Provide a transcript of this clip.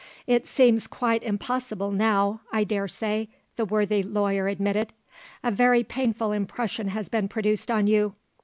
"It seems quite impossible now, I dare say," the worthy lawyer admitted. "A very painful impression has been produced on you.